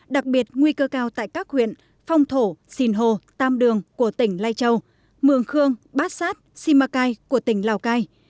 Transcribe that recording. đặc biệt nguy cơ cao tại các huyện phong thổ xìn hồ tam đường của tỉnh lai châu mường khương bát sát simacai của tỉnh lào cai